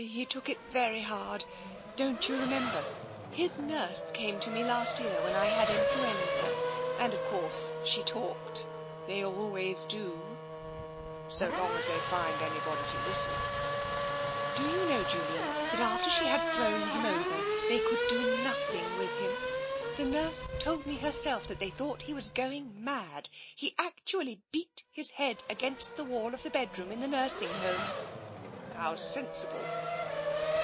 He took it very hard. Don't you remember? — his nurse came to me last year when I had influenza, and of course she talked — they always do "" So long as they find anyone to listen." lo TENSION " Do you know, Julian, that after she had thrown him over, they could do nothing with him ? The nurse told me herself that they thought he was going mad. He actually beat his head against the wall of the bed room in the nursing home/' "How sensible!"